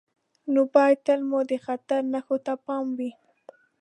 نو باید تل مو د خطر نښو ته پام وي.